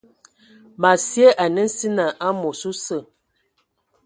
Ma sye a nsina amos osə.